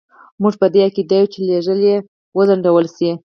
موږ په دې عقیده یو چې لېږل یې وځنډول شي.